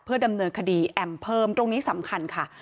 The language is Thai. ดำเนินคดีแอมเพิ่มตรงนี้สำคัญค่ะ